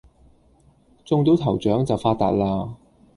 中到頭獎就發達喇